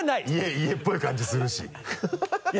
家っぽい感じするし